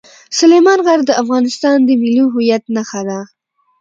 سلیمان غر د افغانستان د ملي هویت نښه ده.